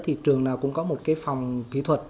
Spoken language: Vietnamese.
thì trường nào cũng có một cái phòng kỹ thuật